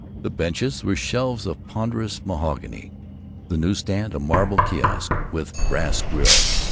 The benches were shelves of ponderous mahogany; the news stand a marble kiosk with a brass grill.